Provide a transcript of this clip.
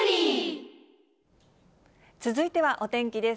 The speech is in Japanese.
続いてはお天気です。